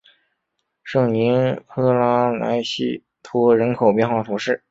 圣尼科拉莱西托人口变化图示